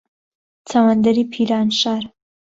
چەوەندەری پیرانشار